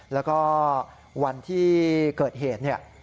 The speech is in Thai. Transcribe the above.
แล้วก็วันที่เกิดเหตุ